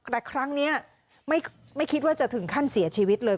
แต่ครั้งนี้ไม่คิดว่าจะถึงขั้นเสียชีวิตเลย